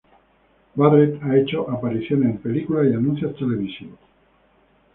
Barrett ha hecho apariciones en películas y anuncios televisivos.